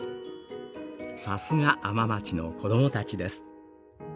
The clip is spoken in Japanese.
さすが海士町の子供たちです。